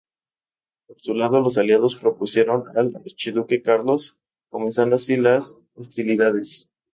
Por su lado, los aliados propusieron al archiduque Carlos, comenzando así las hostilidades.